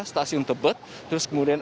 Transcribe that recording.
stasiun tebet terus kemudian